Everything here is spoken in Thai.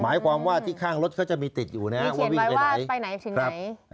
หมายความว่าที่ข้างรถเขาจะมีติดอยู่นะฮะมีเขียนไว้ว่าไปไหนถึงไหน